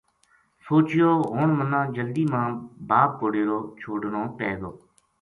سوچیو ہن مناں جلدی ماں باپ کو ڈیرو چھوڈنو پے گو